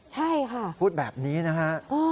ใช่ค่ะพูดแบบนี้นะฮะ